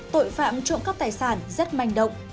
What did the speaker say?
tội phạm trộm các tài sản rất manh động